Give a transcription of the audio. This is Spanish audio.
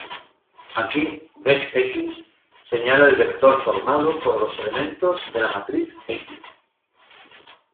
Aquí, vec"X" señala el vector formado por los elementos de la matriz "X".